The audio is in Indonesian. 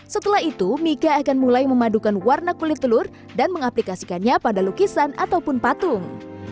setelah itu mika akan mulai memadukan warna kulit telur dan mengaplikasikannya pada lukisan ataupun patung